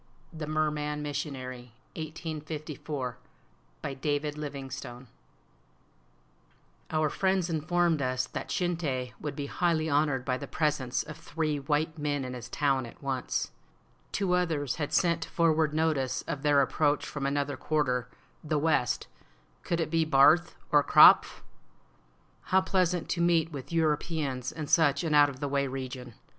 THE MERMAN MISSIONARY I1854I BY DAVID LIVINGSTONE Our friends informed us that Shinte would be highly honored by the presence of three white men in his town at once. Two others had sent forward notice of their approach from another quarter (the west); could it be Barth or Krapf ? How pleasant to meet with Europeans in such an out of the way region!